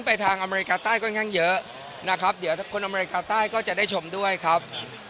ไปทางอเมริกาใต้ค่อนข้างเยอะนะครับเดี๋ยวคนอเมริกาใต้ก็จะได้ชมด้วยครับ